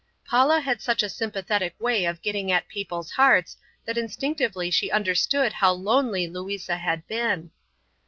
Paula had such a sympathetic way of getting at people's hearts, that instinctively she understood how lonely Louisa had been.